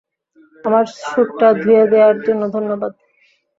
আমার স্যুটটা ধুয়ে দেবার জন্য ধন্যবাদ।